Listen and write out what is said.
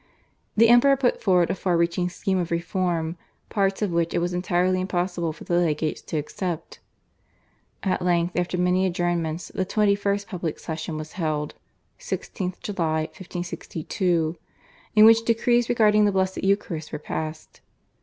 The Emperor put forward a far reaching scheme of reform parts of which it was entirely impossible for the legates to accept. At length after many adjournments the 21st public session was held (16th July 1562), in which decrees regarding the Blessed Eucharist were passed.